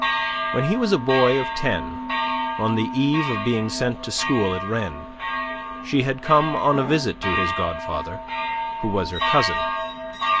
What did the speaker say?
When he was a boy of ten, on the eve of being sent to school at Rennes, she had come on a visit to his godfather, who was her cousin.